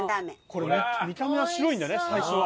これ見た目は白いんだね最初は。